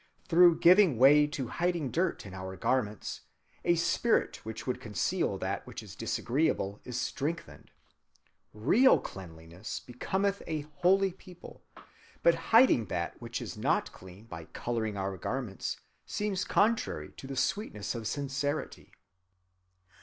Through giving way to hiding dirt in our garments a spirit which would conceal that which is disagreeable is strengthened. Real cleanliness becometh a holy people; but hiding that which is not clean by coloring our garments seems contrary to the sweetness of sincerity.